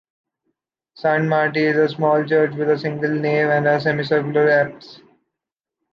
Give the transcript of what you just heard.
Sant Martí is a small church with a single nave and a semicircular apse.